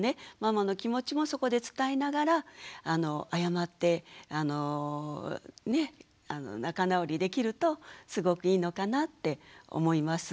ママの気持ちもそこで伝えながら謝って仲直りできるとすごくいいのかなって思います。